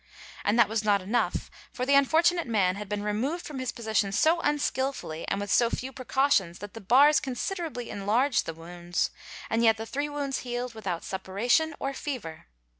And that was not_ enough, for the unfortunate man had been removed from his position so unskilfully and with so' few precautions that the bars considerably enlarged the wounds; and yet the three wounds healed without suppura tion or fever.